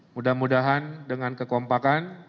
mudah mudahan dengan kekompakan